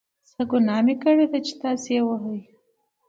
څه ګناه مې کړې ده چې تاسې یې وهئ.